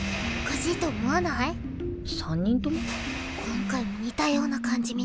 今回も似たような感じみたい。